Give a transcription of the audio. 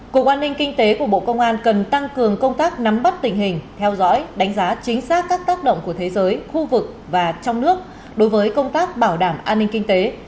cục an ninh kinh tế của bộ công an cần tăng cường công tác nắm bắt tình hình theo dõi đánh giá chính xác các tác động của thế giới khu vực và trong nước đối với công tác bảo đảm an ninh kinh tế